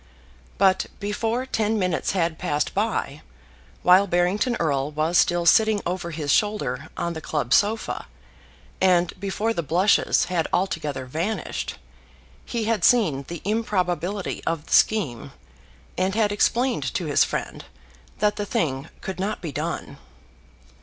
But before ten minutes had passed by, while Barrington Erle was still sitting over his shoulder on the club sofa, and before the blushes had altogether vanished, he had seen the improbability of the scheme, and had explained to his friend that the thing could not be done.